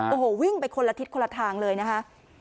โอ้โหวิ่งไปคนละทิศคนละทางเลยนะคะ